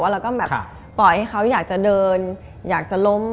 ใช่ค่ะว่าปล่อยให้แบบเลี้ยงธรรมชาติ